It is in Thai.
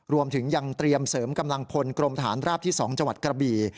รวมถึงยังเตรียมเสริมกำลังพลกรมฐานราบที่๒จังหวัดกระบี่